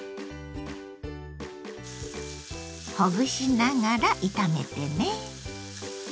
ほぐしながら炒めてね。